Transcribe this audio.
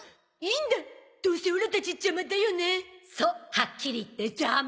はっきり言ってジャマ！